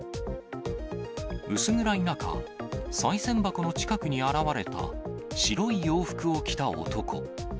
薄暗い中、さい銭箱の近くに現れた白い洋服を着た男。